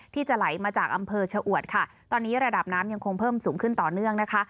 ที่จะไหลมาจากอำเภอชะอวดค่ะตอนนี้ระดับน้ำยังคงเพิ่มสูงขึ้นต่อเนื่องนะคะ